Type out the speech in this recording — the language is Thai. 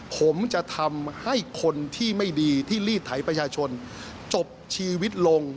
ผมจะทำให้คนที่ไม่ดีที่ลีดไถประชาชนจบชีวิตลง